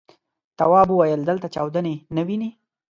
تواب وويل: دلته چاودنې نه وینې.